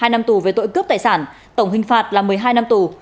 hai năm tù về tội cướp tài sản tổng hình phạt là một mươi hai năm tù